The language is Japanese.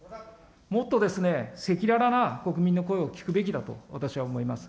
もっと赤裸々な国民の声を聞くべきだと、私は思います。